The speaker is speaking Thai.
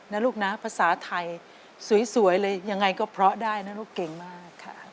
นะลูกนะภาษาไทยสวยเลยยังไงก็เพราะได้นะลูกเก่งมากค่ะ